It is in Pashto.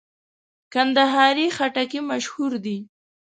کندهاري خټکی مشهور دی.